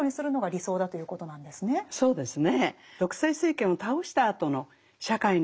そうですね。